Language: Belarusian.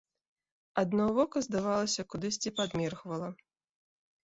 Адно вока, здавалася, кудысьці падміргвала.